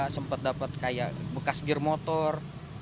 sempat dapat kayak bekas gear motor